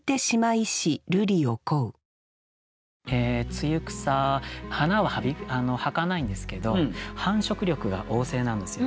露草花ははかないんですけど繁殖力が旺盛なんですよ。